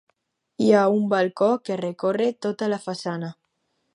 Hi ha un balcó que recorre tota la façana.